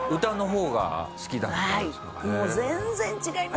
もう全然違います！